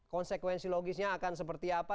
konsekuensi logisnya akan seperti apa